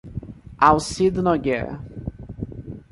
Alcido Nogueira